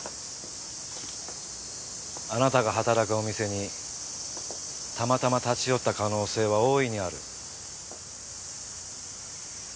あなたが働くお店にたまたま立ち寄った可能性は大いにある。